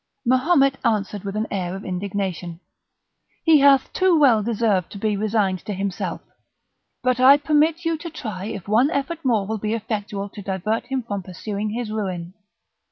Mahomet answered with an air of indignation: "He hath too well deserved to be resigned to himself, but I permit you to try if one effort more will be effectual to divert him from pursuing his ruin."